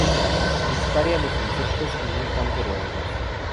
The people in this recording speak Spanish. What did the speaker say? Dispare a los insectos en un campo de hongos.